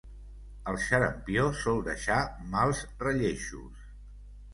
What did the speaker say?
El xarampió sol deixar mals relleixos.